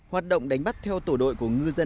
hoạt động đánh bắt theo tổ đội của nguyễn văn văn